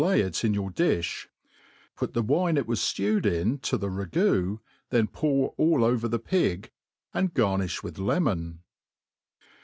67 ky it in your dtfli ; put the wine it was ftewcd in to the ra goo, theo pour all over the pig, and garnilh with lemon.